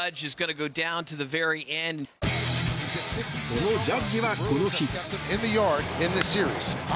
そのジャッジはこの日。